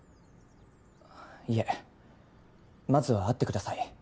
いえまずは会ってください。